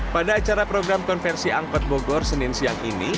pada acara program konversi angkot bogor senin siang ini